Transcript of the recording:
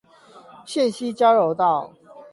線西交流道